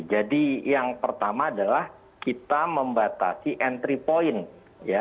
jadi yang pertama adalah kita membatasi entry point